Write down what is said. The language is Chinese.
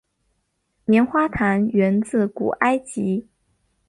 棉花糖源自古埃及。